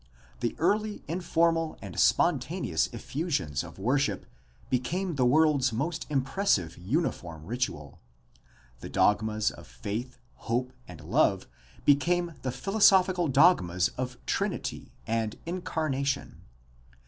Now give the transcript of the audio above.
The early informal and spontaneous effusions of worship became the world's most impressive uniform ritual. The dogmas of faith, hope, and love became the philosophical dogmas of Trinity and Incarnation.